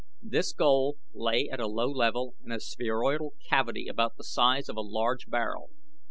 This goal lay at a low level in a spheroidal cavity about the size of a large barrel.